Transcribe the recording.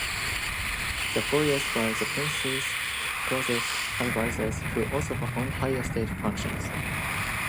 The boyars were the prince's closest advisers who also performed higher state functions.